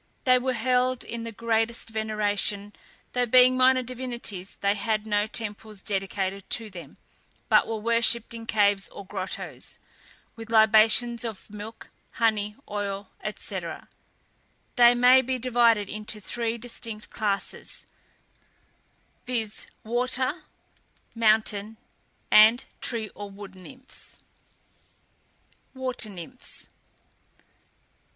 They were held in the greatest veneration, though, being minor divinities, they had no temples dedicated to them, but were worshipped in caves or grottoes, with libations of milk, honey, oil, &c. They may be divided into three distinct classes, viz., water, mountain, and tree or wood nymphs. WATER NYMPHS.